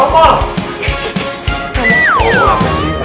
oh apa sih